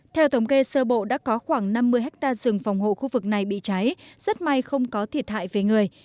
theo tổng kê sơ bộ đã có khoảng năm mươi hectare rừng phòng hộ khu vực này bị cháy rất may không có thiệt hại về người